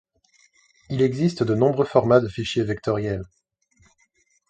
Il existe de nombreux formats de fichiers vectoriels.